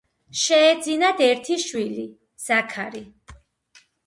შეეძინათ ერთი შვილი ზაქარი.